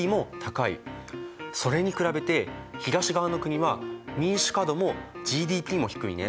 それに比べて東側の国は民主化度もＧＤＰも低いね。